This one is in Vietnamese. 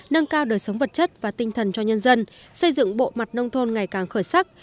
nâng cao đời sống vật chất và tinh thần cho nhân dân xây dựng bộ mặt nông thôn ngày càng khởi sắc